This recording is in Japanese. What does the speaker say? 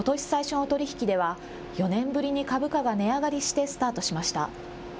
最初の取り引きでは４年ぶりに株価が値上がりしてスタートしました。